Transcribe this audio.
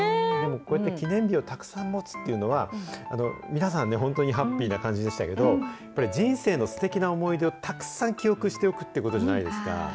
こうやって記念日をたくさん持つというのは、皆さんね、本当にハッピーな感じでしたけど、やっぱり人生のすてきな思い出をたくさん記憶しておくってことじゃないですか。